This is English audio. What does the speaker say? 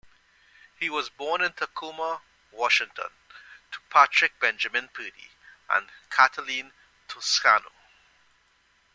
He was born in Tacoma, Washington, to Patrick Benjamin Purdy and Kathleen Toscano.